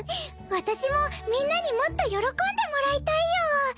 私もみんなにもっと喜んでもらいたいよ。